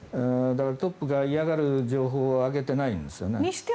だから、トップが嫌がる情報を上げてないんですよね。